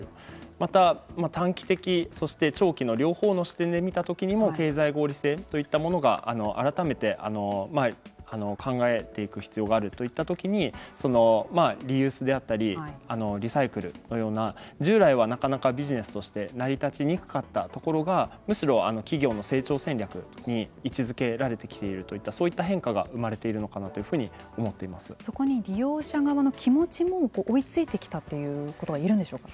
また、短期的、そして長期の両方の視点で見た時にも経済合理性といったものが改めて考えていく必要があるといったときにリユースであったりリサイクルのような従来はなかなかビジネスとして成り立ちにくかったところがむしろ企業の成長戦略に位置づけられてきているというそういった変化が生まれてきているのかなというふうにそこに利用者側の気持ちも追いついてきたということは言えるんでしょうか。